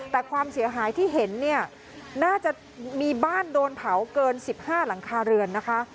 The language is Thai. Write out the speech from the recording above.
แต่ความเสียหายที่เห็นเนี่ยน่าจะมีบ้านโดนเผาเกิน๑๕หลังคาเรือนนะคะ